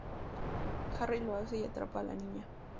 Harry lo hace y atrapa a la niña que crea las marcas, Alessa.